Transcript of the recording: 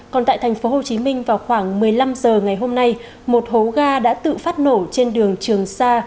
còn tại thành phố hồ chí minh vào khoảng một mươi năm h ngày hôm nay một hố ga đã tự phát nổ trên đường trường sa